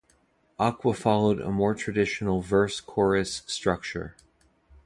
Aqua followed a more traditional verse-chorus structure.